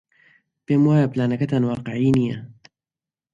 پێم وایە پلانەکەتان واقیعی نییە.